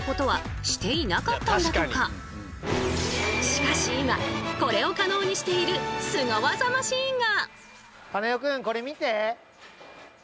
しかし今これを可能にしているスゴ技マシンが！